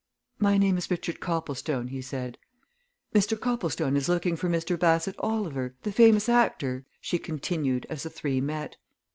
"My name is Richard Copplestone," he said. "Mr. Copplestone is looking for Mr. Bassett Oliver, the famous actor," she continued, as the three met.